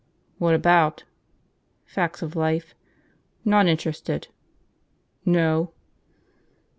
"What about?" "Facts of life." "Not interested." "No?"